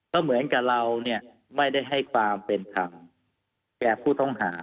ก็เหมือนกับเราเนี่ยไม่ได้ให้ความเป็นธรรมแก่ผู้ต้องหา